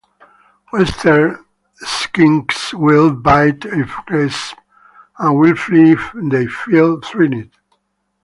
Western skinks will bite if grasped and will flee if they feel threatened.